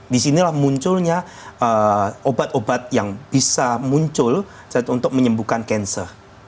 di sinilah munculnya obat obat yang bisa muncul untuk menyembuhkan cancer